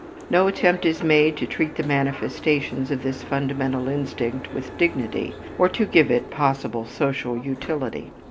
No attempt is made to treat the manifestations of this fundamental instinct with dignity or to give it possible social utility.